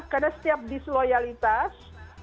karena setiap disloyalitas